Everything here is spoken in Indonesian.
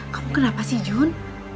kamu kenapa sih jun